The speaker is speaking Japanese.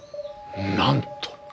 なんと！